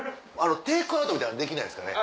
テイクアウトみたいのできないですかね？